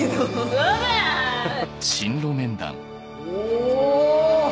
お！